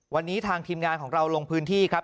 วันนี้ทางทีมงานของเราลงพื้นที่ครับ